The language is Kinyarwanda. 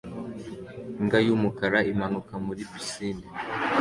Imbwa y'umukara imanuka muri pisine